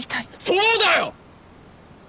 そうだよ！